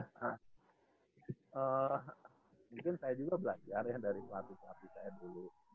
nah mungkin saya juga belajar ya dari pelatih pelatih saya dulu